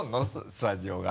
スタジオが。